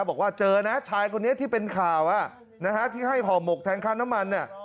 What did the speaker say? บอกว่าเจอนะชายคนนี้ที่เป็นข่าวที่ให้ห่อหมกแทนค่าน้ำมัน